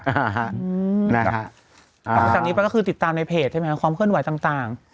หลังจากนี้ไปก็คือติดตามในเพจใช่ไหมครับความเคลื่อนไหวต่าง